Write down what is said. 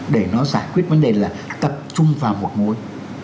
để nó giải quyết vấn đề là tập trung vào một mối